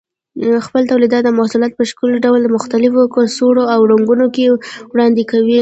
خپل تولیدي محصولات په ښکلي ډول په مختلفو کڅوړو او رنګونو کې وړاندې کوي.